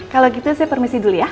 kalau gitu sih permisi dulu ya